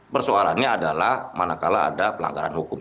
persoalannya adalah mana kala ada pelanggaran hukum